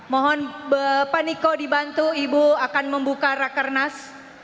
mohon pak niko dibantu ibu akan membuka rakernas